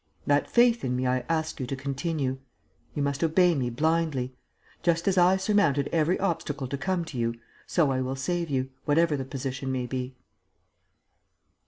That faith in me I ask you to continue. You must obey me blindly. Just as I surmounted every obstacle to come to you, so I will save you, whatever the position may be."